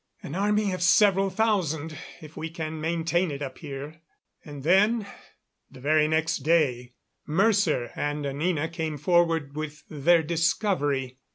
"An army of several thousand, if we can maintain it up here." And then, the very next day, Mercer and Anina came forward with their discovery.